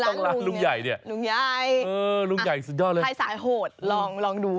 ต้องล้างลุงใหญ่เนี่ยเออลุงใหญ่สุดยอดเลยใครสายโหดลองดู